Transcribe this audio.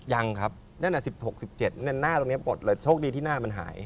ยังครับนั่นน่ะ๑๖๑๗หน้าตรงนี้ปลดเลยโชคดีที่หน้ามันหาย